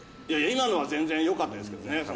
いや今のは全然良かったですけどね